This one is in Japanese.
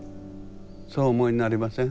そうお思いになりません？